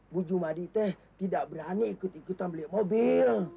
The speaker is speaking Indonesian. bu jumadi teh tidak berani ikut ikutan beli mobil